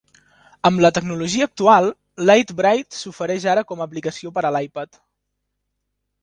Amb la tecnologia actual, Lite-Brite s'ofereix ara com aplicació per a l'iPad.